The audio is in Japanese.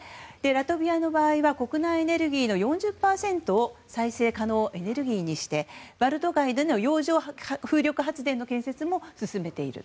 ラトビアの場合は国内エネルギーの４０％を再生可能エネルギーにしてバルト海での洋上風力発電の建設も進めている。